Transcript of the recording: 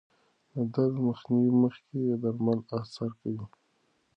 د درد مخنیوي مخکې درمل اثر کوي.